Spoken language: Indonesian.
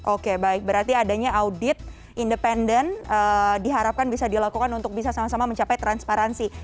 oke baik berarti adanya audit independen diharapkan bisa dilakukan untuk bisa sama sama mencapai transparansi